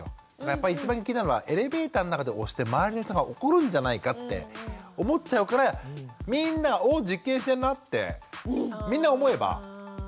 やっぱり一番気になるのはエレベーターの中で押して周りの人が怒るんじゃないかって思っちゃうからみんなが「お実験してんな」ってみんな思えば。